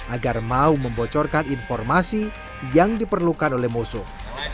agar mau membocorkan informasi yang diperlukan oleh musuh